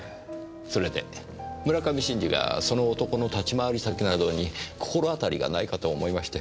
それで村上真治がその男の立ち回り先などに心当たりがないかと思いまして。